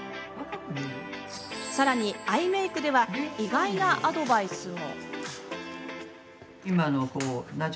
さらに、アイメイクでは意外なアドバイスも。